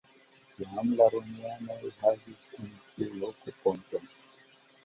Jam la romianoj havis en tiu loko ponton.